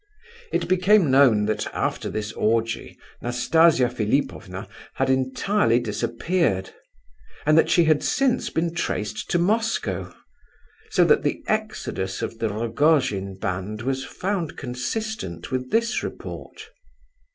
It became known that after this orgy Nastasia Philipovna had entirely disappeared, and that she had since been traced to Moscow; so that the exodus of the Rogojin band was found consistent with this report.